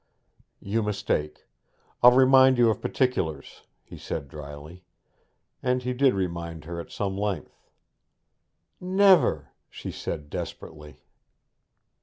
'You mistake. I'll remind you of particulars,' he said drily. And he did remind her at some length. 'Never!' she said desperately.